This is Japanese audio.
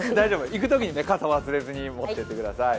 行くときに傘忘れずに持っていってください。